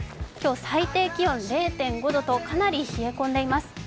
今日、最低気温０．５度とかなり冷え込んでいます。